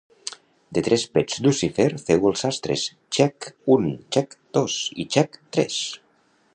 De tres pets Llucifer feu els sastres: xec! un; xec! dos; i xec! tres.